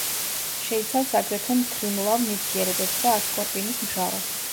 შეიცავს აგრეთვე მთრიმლავ ნივთიერებებს და ასკორბინის მჟავას.